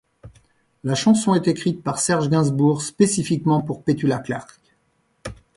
La chanson est écrite par Serge Gainsbourg spécifiquement pour Petula Clark.